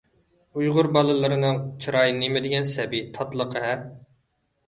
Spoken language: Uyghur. ئۇيغۇر بالىلىرىنىڭ چىرايى نېمىدېگەن سەبىي، تاتلىق-ھە!